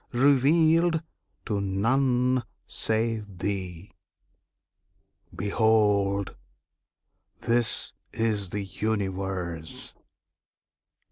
revealed to none save thee. Behold! this is the Universe!